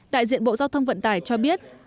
đại diện bộ giao thông vận tải cho biết